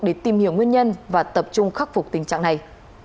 để tìm hiểu nguyên nhân và tập trung khắc phục tình trạng này